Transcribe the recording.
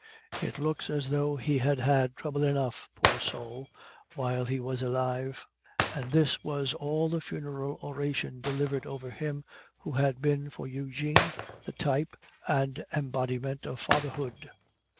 It looks as though he had had trouble enough, poor soul, while he was alive." And this was all the funeral oration delivered over him who had been for Eugene the type and embodiment of Fatherhood.